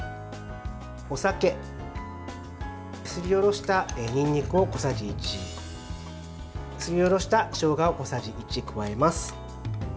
お酒、すりおろしたにんにくを小さじ１すりおろしたしょうがを小さじ１加えます。